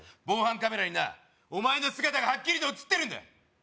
防犯カメラになお前の姿がハッキリと写ってるんだ！